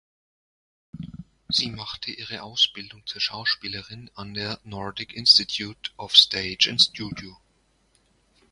Sie machte ihre Ausbildung zur Schauspielerin an der Nordic Institute of Stage and Studio.